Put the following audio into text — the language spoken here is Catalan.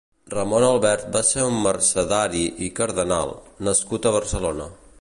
Ramon Albert va ser un «Mercedari i cardenal» nascut a Barcelona.